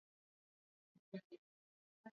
Halitarudi bure.